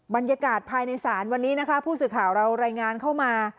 บรรยากาศภายในศาลวันนี้นะคะผู้สื่อข่าวเรารายงานเข้ามา